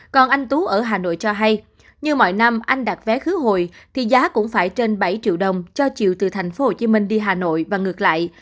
còn anh tú ở hà nội cho hay như mọi năm anh đặt vé khứ hồi thì giá cũng phải trên bảy triệu đồng cho chiều từ tp hcm đi hà nội và ngược lại